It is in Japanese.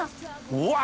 うわ！